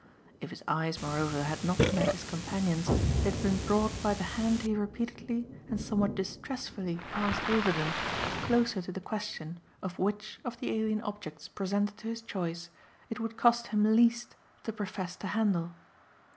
If his eyes moreover had not met his companion's they had been brought by the hand he repeatedly and somewhat distressfully passed over them closer to the question of which of the alien objects presented to his choice it would cost him least to profess to handle.